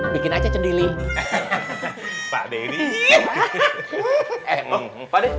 bikin aja cendili pakde ini enggak ada